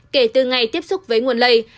kể từ ngày tiếp xúc với nguồn lây